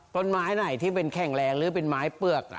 ต้นไม้ไหนที่เป็นแข็งแรงหรือเป็นไม้เปลือก